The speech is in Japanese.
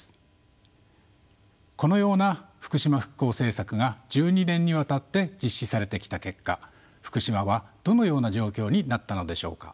このような福島復興政策が１２年にわたって実施されてきた結果福島はどのような状況になったのでしょうか？